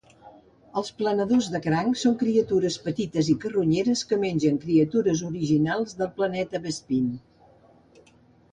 Els "planadors de cranc" són criatures petites i carronyeres que mengen criatures originals del planeta Bespin.